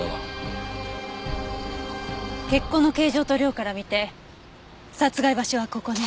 血痕の形状と量から見て殺害場所はここね。